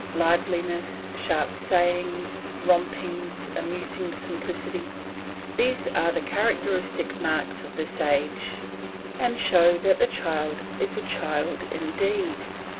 Liveliness, sharp sayings, romping, amusing simplicity, these are the characteristic marks of this age, and show that the child is a child indeed.